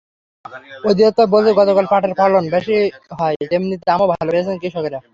অধিদপ্তর বলছে, গতবার পাটের ফলন যেমন বেশি হয়, তেমনি দামও ভালো পেয়েছেন কৃষকেরা।